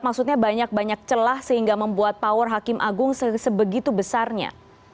maksudnya banyak banyak celah sehingga membuat power hakim agung sebegitu besarnya